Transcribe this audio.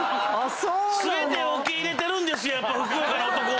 全てを受け入れてるんですやっぱふくよかな男は。